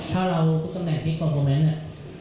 ถ้าเราก็เป็นแห่งพีคเพอร์เฟอร์เมนต์เนี่ย